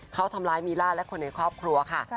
เขาทำร้ายมีล่าและคนในครอบครัวค่ะ